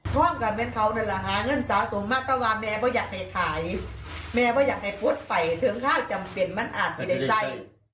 ถึงข้างจำเป็นมันอาจที่ใดใจ